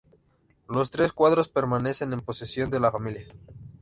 Los tres cuadros permanecen en posesión de la familia.